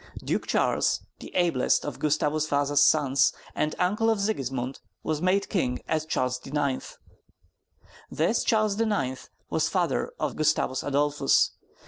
Duke Charles, the ablest of Gustavus Vasa's sons, and uncle of Sigismund, was made king as Charles IX. This Charles IX. was father of Gustavus Adolphus.